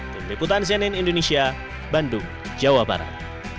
dari leputan cnn indonesia bandung jawa barat